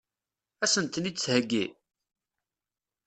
Ad sen-ten-id-theggi?